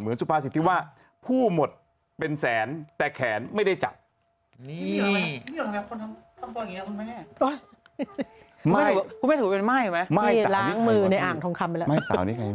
ไม่สาวแล้วก็เลิกกับสามีแล้ว